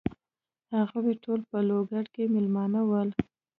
هغوی ټول په لوګر کې مېلمانه ول.